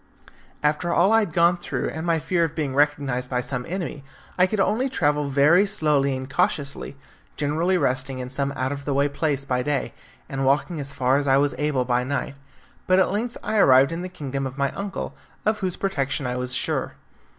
After all I had gone through, and my fear of being recognised by some enemy, I could only travel very slowly and cautiously, generally resting in some out of the way place by day, and walking as far as I was able by night, but at length I arrived in the kingdom of my uncle, of whose protection I was sure.